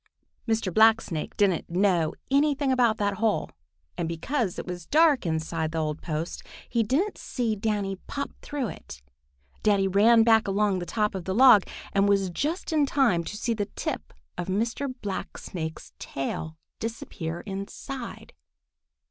Mr. Blacksnake didn't know anything about that hole, and because it was dark inside the old post, he didn't see Danny pop through it. Danny ran back along the top of the log and was just in time to see the tip of Mr. Blacksnake's tail disappear inside.